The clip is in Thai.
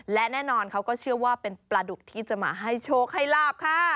และแน่นอนเขาก็เชื่อว่าเป็นปลาดุกที่จะมาให้โชคให้ลาบค่ะ